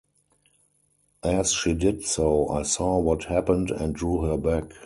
As she did so, I saw what happened and drew her back.